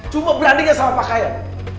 cuma berani gak salah pakaian